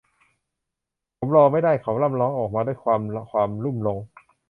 ผมรอไม่ได้ เขาร่ำร้องออกมาด้วยความความลุ่มหลง